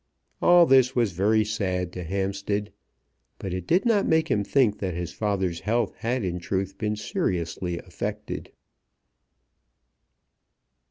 All this was very sad to Hampstead; but it did not make him think that his father's health had in truth been seriously affected.